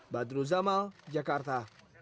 badru zamal jakarta